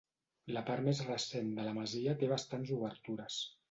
La part més recent de la masia té bastants obertures.